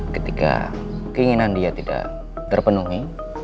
ketika keinginan dia tidak terpenuhi